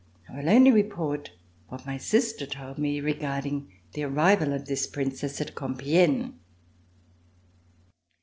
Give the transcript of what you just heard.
I will only report what my sister told me regarding the arrival of this Princess at Compiegne.